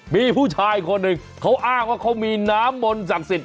มีผู้ชายคนหนึ่งเขาอ้างว่าเขามีน้ำมนต์ศักดิ์สิทธิ